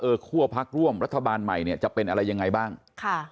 คั่วพักร่วมรัฐบาลใหม่เนี่ยจะเป็นอะไรยังไงบ้างค่ะ